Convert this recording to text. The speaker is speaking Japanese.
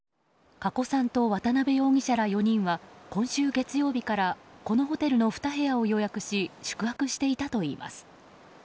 加古さんと渡邉容疑者ら４人は今週月曜日からこのホテルの２部屋を予約し宿泊していたといいます。